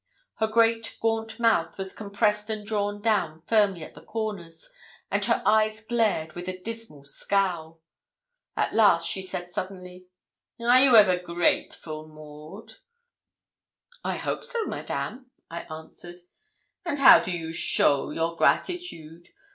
Her great gaunt mouth was compressed and drawn down firmly at the corners, and her eyes glared with a dismal scowl. At last she said suddenly 'Are you ever grateful, Maud?' 'I hope so, Madame,' I answered. 'And how do you show your gratitude?